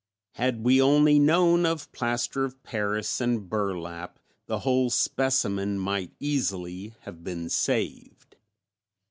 Had we only known of plaster of paris and burlap the whole specimen might easily have been saved.